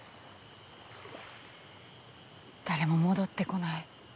誰も戻ってこない。